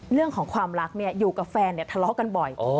เรื่องของความรักเนี่ยอยู่กับแฟนเนี่ยทะเลาะกันบ่อย